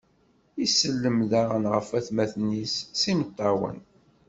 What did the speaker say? Isellem daɣen ɣef watmaten-is s imeṭṭawen.